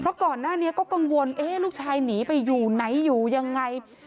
เพราะก่อนหน้านี้ก็กังวลลูกชายหนีไปอยู่ไหนอยู่ยังไง